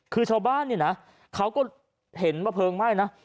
คือชาวบ้านเนี่ยนะเขาก็เห็นว่าเพลิงไหม้นะ